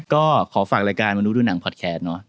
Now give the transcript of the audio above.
ก็ขอฝากรายการมนุษย์ดูหนังพอดแคสเนอะ